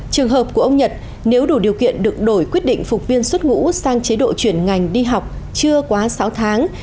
trường hợp của ông nhật nếu đủ điều kiện được đổi quyết định phục viên xuất ngũ sang chế độ chuyển ngành đi học chưa quá sáu tháng